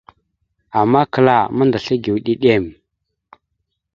Ama kala aməndasl egew ɗiɗem.